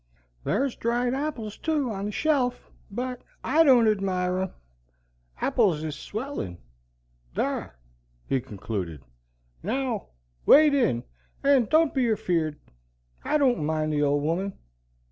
Thar's dried appils too on the shelf, but I don't admire 'em. Appils is swellin'. Thar," he concluded, "now wade in, and don't be afeard. I don't mind the old woman.